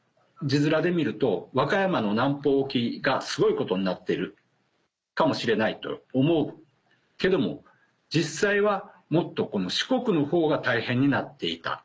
字面で見ると和歌山の南方沖がすごいことになってるかもしれないと思うけども実際はもっと四国のほうが大変になっていた。